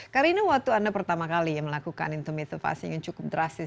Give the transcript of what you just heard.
karena ini waktu anda pertama kali melakukan intumitivasi yang cukup drastis